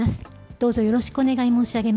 どうぞよろしくお願い申し上げ